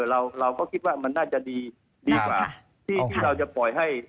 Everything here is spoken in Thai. เราคิดว่ามันดีกว่า